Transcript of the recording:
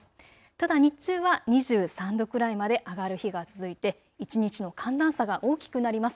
ただ日中は２３度くらいまで上がる日が続いて一日の寒暖差が大きくなります。